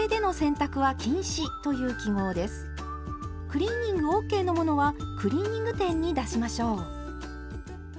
クリーニングＯＫの物はクリーニング店に出しましょう！